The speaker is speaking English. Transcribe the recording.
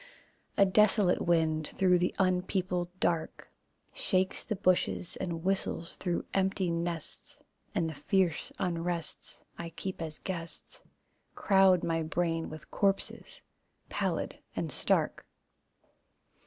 A desolate wind, through the unpeopled dark, Shakes the bushes and whistles through empty nests, And the fierce unrests I keep as guests Crowd my brain with corpses, pallid and stark.